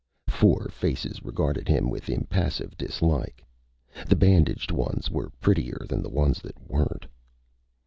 Four faces regarded him with impassive dislike. The bandaged ones were prettier than the ones that weren't.